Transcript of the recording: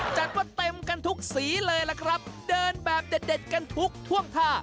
จัดว่าเต็มกันทุกสีเลยล่ะครับเดินแบบเด็ดกันทุกท่วงท่า